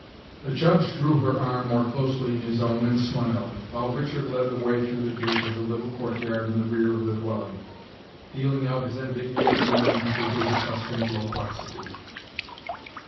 The Judge drew her arm more closely in his own and smiled, while Richard led the way through the gate of the little court yard in the rear of the dwelling, dealing out his ambiguous warnings with his accustomed loquacity.